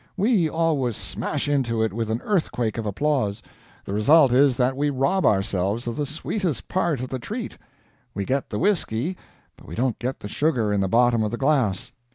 We always smash into it with an earthquake of applause. The result is that we rob ourselves of the sweetest part of the treat; we get the whiskey, but we don't get the sugar in the bottom of the glass.